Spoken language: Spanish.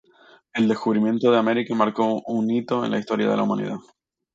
El descubrimiento de América marcó un hito en la historia de la humanidad.